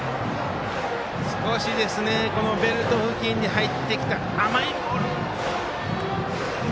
ベルト付近に入ってきた甘いボールでしたね。